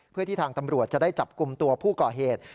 เพื่อที่ทางตำรวจจะได้จับกลุ่มตัวผู้ก่อเหตุ